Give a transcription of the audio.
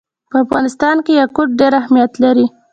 په افغانستان کې یاقوت ډېر اهمیت لري.